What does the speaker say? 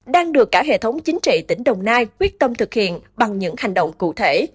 đang được cả hệ thống chính trị tỉnh đồng nai quyết tâm thực hiện bằng những hành động cụ thể